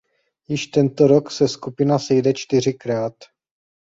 Již tento rok se skupina sejde čtyřikrát.